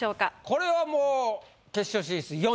これはもう決勝進出４位。